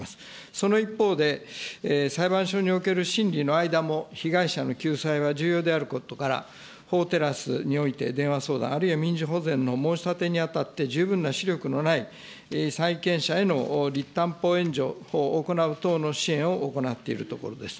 その一方で、裁判所における審理の間も被害者の救済は重要であることから、法テラスにおいて電話相談、あるいは民事保全の申し立てに当たって十分な資力のない債権者へのり担保援助を行う等の支援を行っているところです。